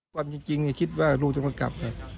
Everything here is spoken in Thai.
ความจริงคิดว่าลูกจะมากลับ